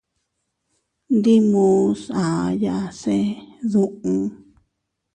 Ndi muʼus aʼaya se duun.